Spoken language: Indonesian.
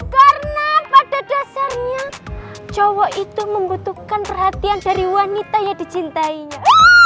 karena pada dasarnya cowok itu membutuhkan perhatian dari wanita yang dicintainya